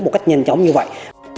một cách nhanh chóng như vậy